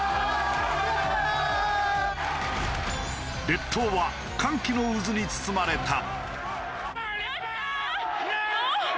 列島は歓喜の渦に包まれた。